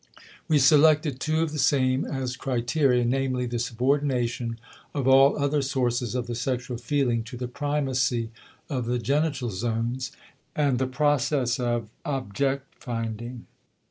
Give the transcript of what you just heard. We selected two of the same as criteria, namely, the subordination of all other sources of the sexual feeling to the primacy of the genital zones, and the process of object finding.